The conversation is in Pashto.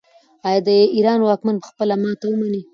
آیا د ایران واکمن به خپله ماتې ومني؟